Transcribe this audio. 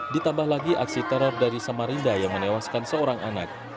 ditambah lagi aksi teror dari samarinda yang menewaskan seorang anak